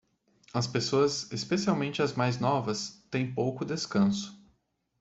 As pessoas, especialmente as mais novas, têm pouco descanso.